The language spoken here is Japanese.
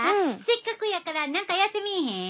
せっかくやから何かやってみぃひん？